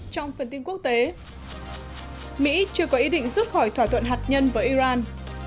trong phần tin quốc tế mỹ chưa có ý định rút khỏi thỏa thuận hạt nhân với iran